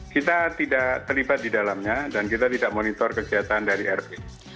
kita tidak terlibat di dalamnya dan kita tidak monitor kegiatan dari rt